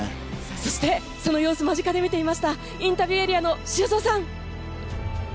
そして、その様子間近で見ていましたインタビューエリアの修造さん。